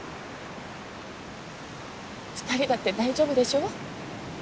２人だって大丈夫でしょ？